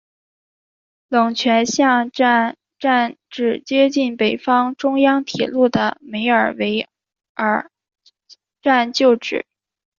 冷泉巷站站址接近北方中央铁路的梅尔维尔站旧址。